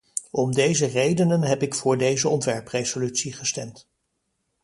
Om deze redenen heb ik voor deze ontwerpresolutie gestemd.